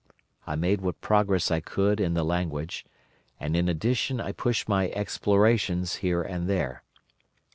I made what progress I could in the language, and in addition I pushed my explorations here and there.